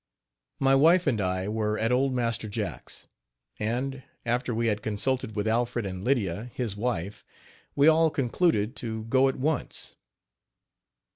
My wife and I were at old Master Jacks; and, after we had consulted with Alfred and Lydia, his wife, we all concluded to go at once.